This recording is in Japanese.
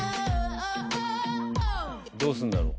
どうすんだろう？